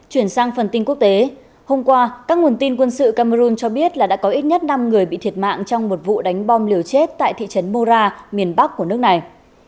chuyển sang phần tin quốc tế hôm qua các nguồn tin quân sự cameroon cho biết là đã có ít nhất năm người bị thiệt mạng trong một vụ đánh bom liều chết tại thị trấn mura miền bắc của nước này